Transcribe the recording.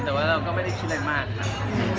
ใช่ครับเข้ามาบ้างมีคนบ้าง